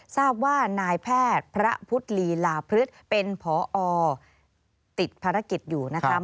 ทราบว่านายแพทย์พระพุทธลีลาพฤษเป็นพอติดภารกิจอยู่นะครับ